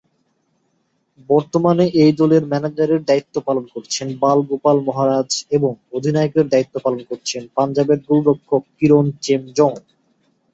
বর্তমানে এই দলের ম্যানেজারের দায়িত্ব পালন করছেন বাল গোপাল মহারাজ এবং অধিনায়কের দায়িত্ব পালন করছেন পাঞ্জাবের গোলরক্ষক কিরণ চেমজং।